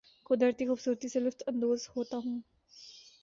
قدرتی خوبصورتی سے لطف اندوز ہوتا ہوں